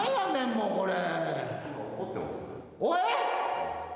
もうこれ。